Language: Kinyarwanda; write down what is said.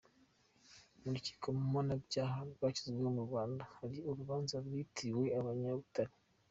Mu rukiko mpanabyaha rwashyiriweho u Rwanda hari urubanza rwitiriwe abanyabutare.